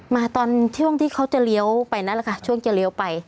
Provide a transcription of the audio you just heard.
มาตอนช่วงที่เขาจะเลี้ยวไปนั่นแหละค่ะช่วงจะเลี้ยวไป